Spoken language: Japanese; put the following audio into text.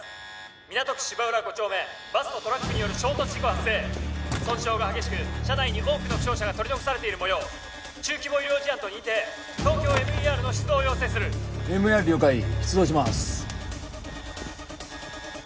港区芝浦５丁目バスとトラックによる衝突事故発生損傷が激しく車内に多くの負傷者が取り残されているもよう中規模医療事案と認定ＴＯＫＹＯＭＥＲの出動を要請するＭＥＲ了解出動します